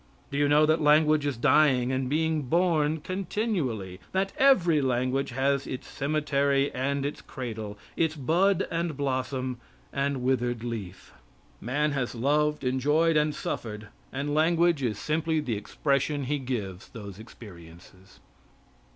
Do you know that language is dying and being born continually that every language has its cemetery and its cradle, its bud and blossom, and withered leaf? Man has loved, enjoyed and suffered, and language is simply the expression he gives those experiences.